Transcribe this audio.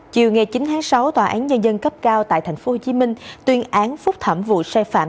chiều ngày chín tháng sáu tòa án nhân dân cấp cao tại tp hcm tuyên án phúc thẩm vụ sai phạm